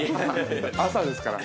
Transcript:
◆朝ですから。